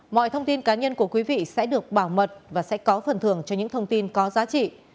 mọi thông tin cá nhân của quý vị sẽ được bảo mật và sẽ có phần thường cho những thông tin có giá trị